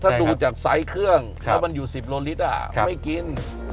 ถ้าดูจากไซส์เครื่องแล้วมันอยู่๑๐โลลิตรไม่กิน